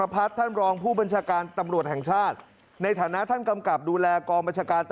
เอาฟังผู้บังคับบัญชาที่สูงขึ้นไปอีกบ้าง